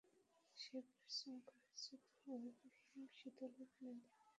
সে পরিশ্রম করছে তোমার হিমশীতল অভিনয় দেখতে?